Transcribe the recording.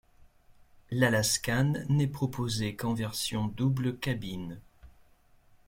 L'Alaskan n'est proposé qu'en version double cabine.